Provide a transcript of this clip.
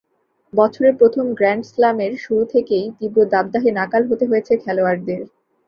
বছরের প্রথম গ্র্যান্ড স্লামের শুরু থেকেই তীব্র দাবদাহে নাকাল হতে হয়েছে খেলোয়াড়দের।